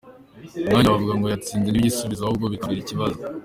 Umwana bavuga ngo yatsinze ntibibe igisubizo ahubwo bikambera ikibazo.